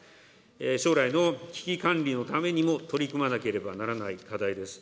将来の危機管理のためにも取り組まなければならない課題です。